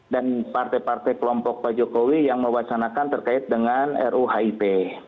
dan partai partai kelompok pak jokowi yang mewacanakan terkait dengan ruhip